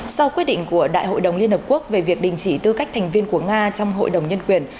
sau quyết định của đại hội đồng liên hợp quốc về việc đình chỉ tư cách thành viên của nga trong hội đồng nhân quyền